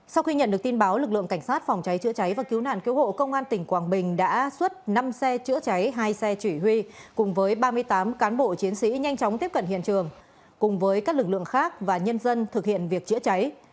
sau khi nhận được tin báo lực lượng cảnh sát phòng cháy chữa cháy và cứu nạn cứu hộ công an tỉnh quảng bình đã xuất năm xe chữa cháy hai xe chỉ huy cùng với ba mươi tám cán bộ chiến sĩ nhanh chóng tiếp cận hiện trường cùng với các lực lượng khác và nhân dân thực hiện việc chữa cháy